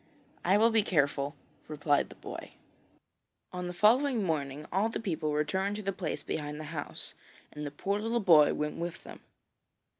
'I will be careful,' replied the boy. On the following morning all the people returned to the place behind the house, and the poor little boy went with them.